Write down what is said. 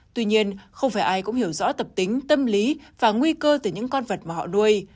tuy nhiên không phải ai cũng hiểu rõ tập tính tâm lý và nguy cơ từ những con vật mà họ nuôi